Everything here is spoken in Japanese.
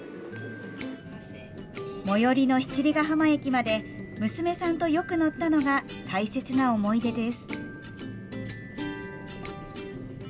最寄りの七里ヶ浜駅まで娘さんとよく乗ったのが大切な思い出です。